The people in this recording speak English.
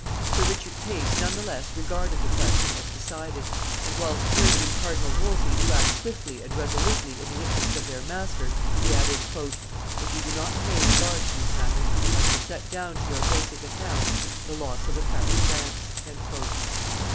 Sir Richard Pace none the less regarded the question as decided; and, whilst urging Cardinal Wolsey to act swiftly and resolutely in the interests of their master, he added, "If you do not pay regard to these matters, I shall set down to your Grace's account the loss of the crown of France."